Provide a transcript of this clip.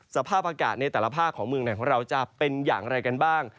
สภาพอากาศในแต่ละภาคของเมืองไหนของเราจะเป็นอย่างไรกันบ้าง